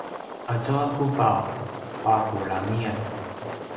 aza kubav papulamian